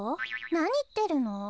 なにいってるの？